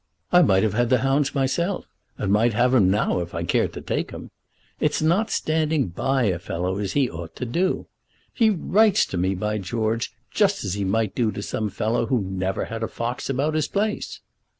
I might have had the hounds myself, and might have 'em now if I cared to take them. It's not standing by a fellow as he ought to do. He writes to me, by George, just as he might do to some fellow who never had a fox about his place."